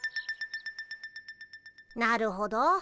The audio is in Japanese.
なるほど。